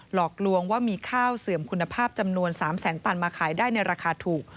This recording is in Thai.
หลอกลวงว่ามีข้าวเสื่อมคุณภาพจำนวน๓แสนตันมาขายได้ในราคาถูก